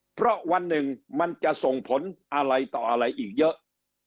เพราะวันหนึ่งมันจะส่งผลอะไรต่ออะไรอีกเยอะ